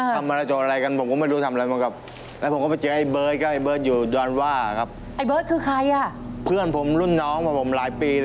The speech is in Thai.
ทำมารจบอะไรกันผมก็ไม่รู้เราทำอะไร